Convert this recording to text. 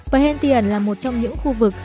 perhentian là một trong những khu vực